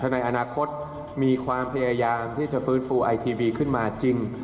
ในอนาคตมีความพยายามที่จะฟื้นฟูไอทีวีขึ้นมาจริง